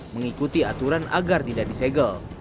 mengikuti aturan agar tidak disegel